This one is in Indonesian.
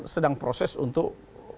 sedang proses untuk